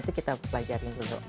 itu kita pelajarin dulu